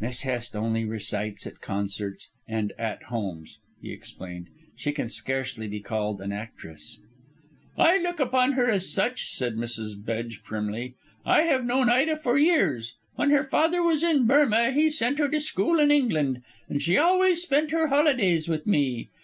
"Miss Hest only recites at concerts and 'At Homes,'" He explained; "she can scarcely be called an actress." "I look upon her as such," said Mrs. Bedge primly. "I have known Ida for years: when her father was in Burmah he sent her to school in England, and she always spent her holidays with me.